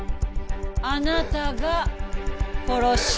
あなたが殺した。